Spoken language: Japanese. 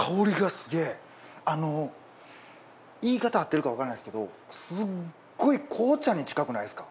あの言い方合ってるかわからないですけどすっごい紅茶に近くないですか？